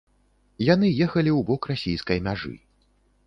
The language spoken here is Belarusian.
Яны ехалі ў бок расійскай мяжы.